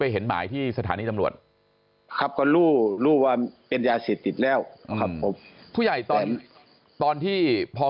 เห็นหมายที่สถานีตำรวจครับก็รู้ว่าเป็นยาเสพติดแล้วครับผมผู้ใหญ่ตอนตอนที่พอ